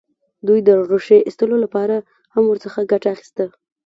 دوی د ریښې ایستلو لپاره هم ورڅخه ګټه اخیسته.